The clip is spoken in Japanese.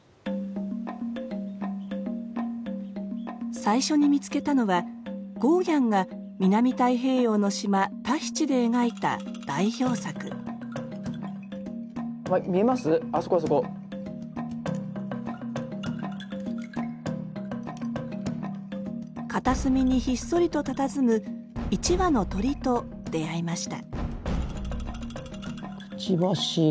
最初に見つけたのはゴーギャンが南太平洋の島タヒチで描いた代表作片隅にひっそりとたたずむ一羽の鳥と出会いました